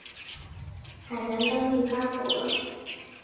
海南当地发布了寒冷三级警报。